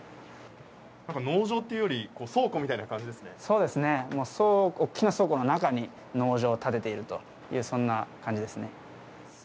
なんか農場というより、そうですね、もう大きな倉庫の中に農場を建てているという、そんな感じですね。